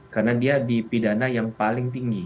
karena dia di pidana yang paling tinggi